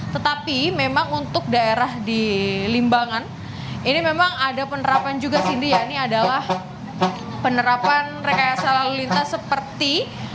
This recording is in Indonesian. tetapi memang untuk daerah di limbangan ini memang ada penerapan juga sini ya ini adalah penerapan rekayasa lalu lintas seperti